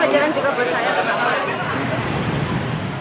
pelajaran juga bersayar